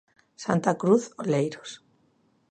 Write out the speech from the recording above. Santa Cruz, Oleiros.